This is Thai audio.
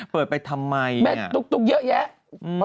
ไปทำไมแม่ตุ๊กเยอะแยะ